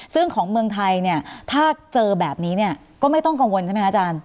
ซึ่งของเมืองไทยเนี่ยถ้าเจอแบบนี้เนี่ยก็ไม่ต้องกังวลใช่ไหมคะอาจารย์